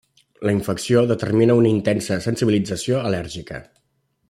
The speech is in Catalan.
La infecció determina una intensa sensibilització al·lèrgica.